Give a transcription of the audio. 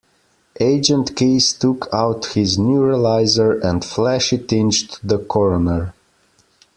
Agent Keys took out his neuralizer and flashy-thinged the coroner.